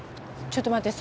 ちょっと待って。